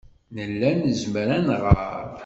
Nella nezmer ad nɣer.